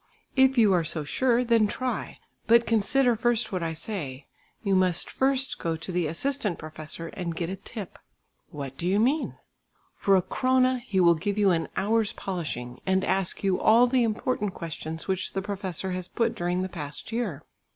"If you are so sure, then try, but consider first what I say. You must first go to the assistant professor and get a 'tip'." "What do you mean?" "For a krona he will give you an hour's polishing, and ask you all the important questions which the professor has put during the past year.